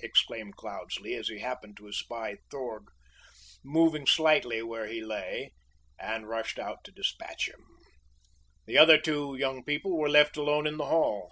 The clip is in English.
exclaimed Cloudesley, as he happened to espy Throg moving slightly where he lay, and rushed out to dispatch him. The other two young people were left alone in the hall.